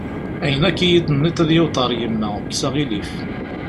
Ayen akk i iyi-d-tenniḍ ad yaweḍ ɣer yemma, kkes aɣilif.